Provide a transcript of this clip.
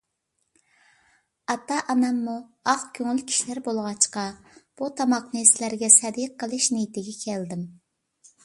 ئاتا - ئاناممۇ ئاق كۆڭۈل كىشىلەر بولغاچقا، بۇ تاماقنى سىلەرگە سەدىقە قىلىش نىيىتىگە كەلدىم.